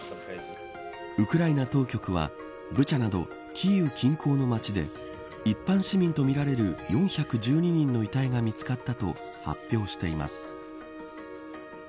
ウクライナ当局はブチャなど、キーウ近郊の町で一般市民とみられる４１０人の遺体が見つかったと発表しています。